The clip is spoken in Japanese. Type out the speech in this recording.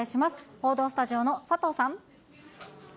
報道スタジオの佐藤さん。